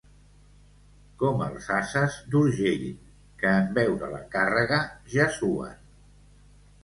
Com els ases d'Urgell, que en veure la càrrega ja suen.